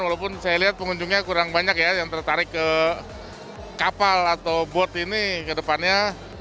walaupun saya lihat pengunjungnya kurang banyak ya yang tertarik ke kapal atau bot ini ke depannya